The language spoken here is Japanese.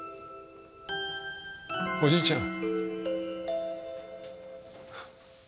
おじいちゃん。